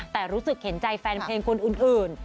แต่รู้สึกเห็นใจแฟนเพลงคนอื่น